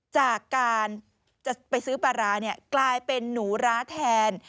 จากการจะไปซื้อปลาร้าเนี่ยกลายเป็นหนูร้าแทน